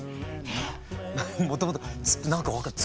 もともと何か分かんない。